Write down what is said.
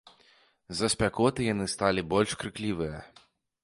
З-за спякоты яны сталі больш крыклівыя.